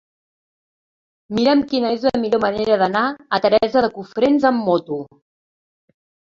Mira'm quina és la millor manera d'anar a Teresa de Cofrents amb moto.